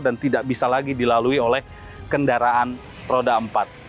dan tidak bisa lagi dilalui oleh kendaraan roda empat